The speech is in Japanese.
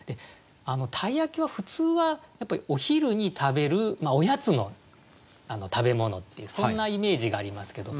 鯛焼は普通はお昼に食べるおやつの食べ物っていうそんなイメージがありますけど。